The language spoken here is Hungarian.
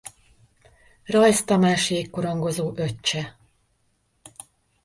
Rajz Tamás jégkorongozó öccse.